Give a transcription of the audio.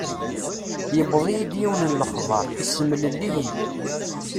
Yewweḍ-iyi-d yiwen n lexbar, yessemlelli-yi.